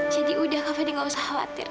jadi udah kak fadil gak usah khawatir